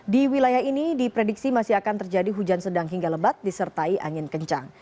di wilayah ini diprediksi masih akan terjadi hujan sedang hingga lebat disertai angin kencang